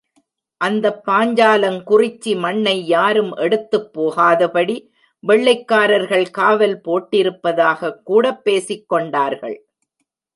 அந்தப் பாஞ்சாலங்குறிச்சி மண்ணை யாரும் எடுத்துப் போகாதபடி வெள்ளைக்காரர்கள் காவல் போட்டிருப்பதாகக் கூடப் பேசிக் கொண்டார்கள்.